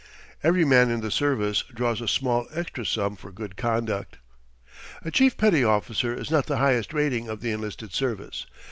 Every man in the service draws a small extra sum for good conduct. A chief petty officer is not the highest rating of the enlisted service.